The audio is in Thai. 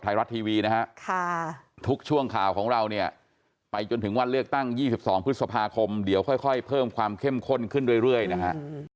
ไทยรัฐทีวีนะฮะทุกช่วงข่าวของเราเนี่ยไปจนถึงวันเลือกตั้ง๒๒พฤษภาคมเดี๋ยวค่อยเพิ่มความเข้มข้นขึ้นเรื่อยนะฮะ